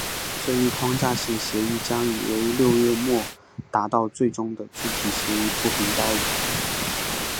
这一框架性协议将为六月末达成最终的具体协议铺平道路。